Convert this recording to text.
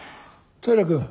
平君。